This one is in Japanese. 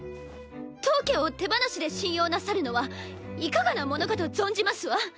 当家を手放しで信用なさるのはいかがなものかと存じますわ！